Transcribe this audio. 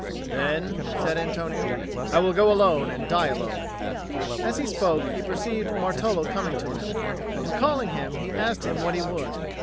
"Then," said Antonio, "I will go alone and die alone." As he spoke, he perceived Martolo coming to him, and, calling him, he asked him what he would.